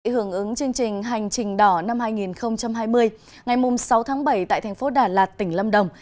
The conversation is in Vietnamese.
hưởng ứng chương trình hành trình đỏ năm hai nghìn hai mươi ngày sáu tháng bảy tại thành phố đà lạt tỉnh lâm đồng